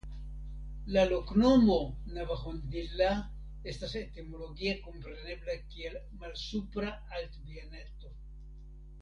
La loknomo "Navahondilla" estas etimologie komprenebla kiel "Malsupra Altbieneto".